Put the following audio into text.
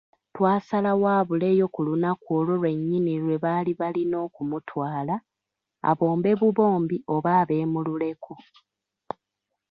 Twasalawo abuleyo ku lunaku olwo lwennyini lwe baali balina okumutwala, abombe bubombi oba abeemululeko.